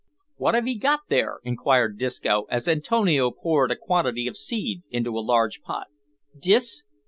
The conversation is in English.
"Wot have 'ee got there?" inquired Disco, as Antonio poured a quantity of seed into a large pot. "Dis?